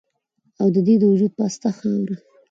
او د دې د وجود پسته خاوره